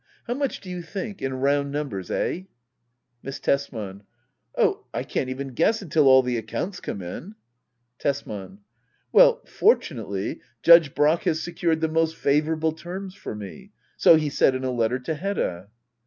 How much do you think ? In round numbers ?— Eh? Miss Tesman. Oh, I can't even guess until all the accounts come in. Tesman. Well, fortunately. Judge Brack has secured the most favourable terms for me, — so he said in a letter to Hedda.